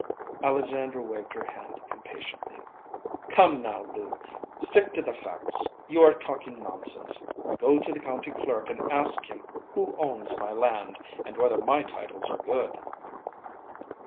Alexandra waved her hand impatiently. "Come now, Lou. Stick to the facts. You are talking nonsense. Go to the county clerk and ask him who owns my land, and whether my titles are good."